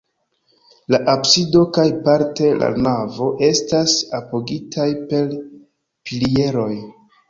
La absido kaj parte la navo estas apogitaj per pilieroj.